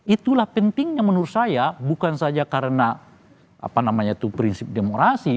itulah pentingnya menurut saya bukan saja karena apa namanya itu prinsip demokrasi